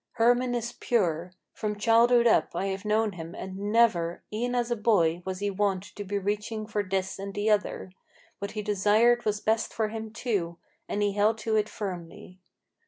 Hermann is pure. From childhood up I have known him, and never E'en as a boy was he wont to be reaching for this and the other: What he desired was best for him too, and he held to it firmly.